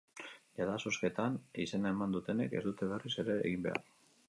Jada zozketan izena eman dutenek ez dute berriz ere egin behar.